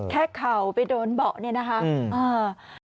ค่ะแค่เขาไปโดนเบาะนี่นะคะอืมอืม